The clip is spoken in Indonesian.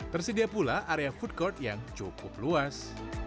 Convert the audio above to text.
tersedia pula area food court yang cukup luas